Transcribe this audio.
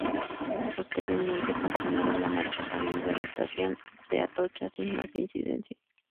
Posteriormente continuaron la marcha camino de la estación de Atocha sin más incidencias.